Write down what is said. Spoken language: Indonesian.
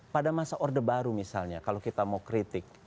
pada masa orde baru misalnya kalau kita mau kritik